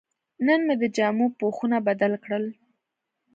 نن مې د جامو پوښونه بدل کړل.